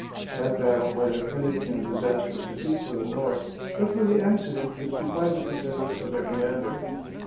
That battle might have ended in a disastrous defeat for the North but for the accident which deprived the Confederates of their commander.